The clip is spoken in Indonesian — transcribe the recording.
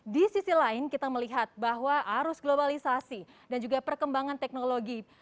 di sisi lain kita melihat bahwa arus globalisasi dan juga perkembangan teknologi